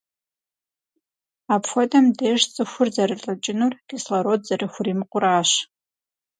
Апхуэдэм деж цӏыхур зэрылӏыкӏынур - кислород зэрыхуримыкъуращ.